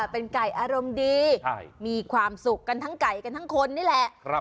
เป็นไก่อารมณ์ดีมีความสุขกันทั้งไก่กันทั้งคนนี่แหละ